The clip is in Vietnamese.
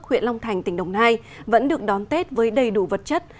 huyện long thành tỉnh đồng nai vẫn được đón tết với đầy đủ vật chất